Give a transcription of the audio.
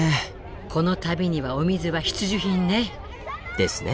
この旅にはお水は必需品ね。ですね。